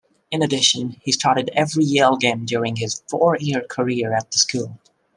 In addition, he started every Yale game during his four-year career at the school.